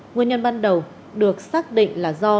nguyên nhân ban đầu được xác định là do